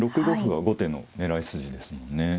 ６五歩は後手の狙い筋ですもんね。